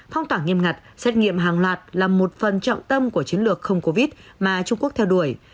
phong tỏa nghiêm ngặt xét nghiệm hàng loạt là một phần trọng tâm của chiến lược không covid mà trung quốc theo đuổi